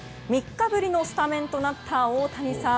３日ぶりのスタメンとなった大谷さん。